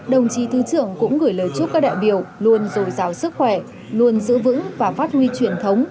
đồng chí thứ trưởng cũng gửi lời chúc các đại biểu luôn dồi dào sức khỏe luôn giữ vững và phát huy truyền thống